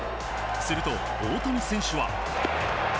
すると、大谷選手は。